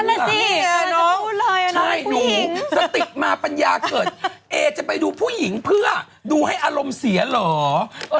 ใช่หนูสติกมาปัญญาเกิดเอจะไปดูผู้หญิงเพื่อดูให้อารมณ์เสียเหรอ